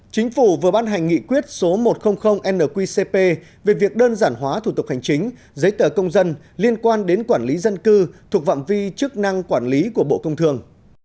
chính phủ vừa ban hành nghị quyết số một trăm linh nqcp về việc đơn giản hóa thủ tục hành chính giấy tờ công dân liên quan đến quản lý dân cư thuộc phạm vi chức năng quản lý của bộ công thương